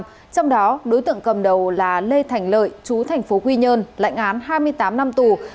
trong đó đối tượng cầm đầu là lê thành lợi chú thành phố quy nhơn lãnh án hai mươi tám năm tù